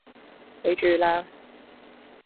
你鍾意啦